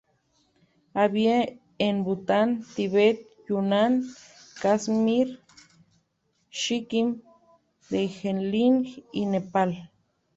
Habita en Bután, Tibet, Yunnan, Kashmir, Sikkim, Darjeeling y Nepal.